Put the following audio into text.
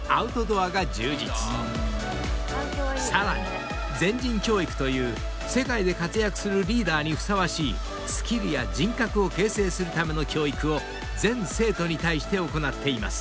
［さらに全人教育という世界で活躍するリーダーにふさわしいスキルや人格を形成するための教育を全生徒に対して行っています］